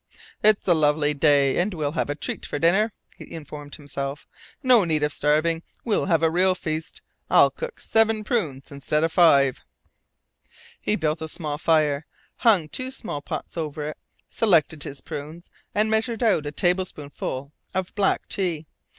"It's a lovely day, and we'll have a treat for dinner," he informed himself. "No need of starving. We'll have a real feast. I'll cook SEVEN prunes instead of five!" He built a small fire, hung two small pots over it, selected his prunes, and measured out a tablespoonful of black tea.